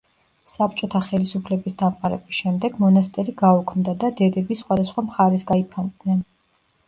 საბჭოთა ხელისუფლების დამყარების შემდეგ მონასტერი გაუქმდა და დედები სხვადასხვა მხარეს გაიფანტნენ.